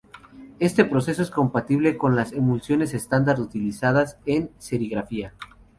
Este proceso es compatible con las emulsiones estándar utilizadas en serigrafía.